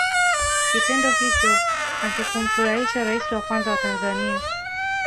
kitendo hicho hakikumfurahisha raisi wa kwanza wa tanzania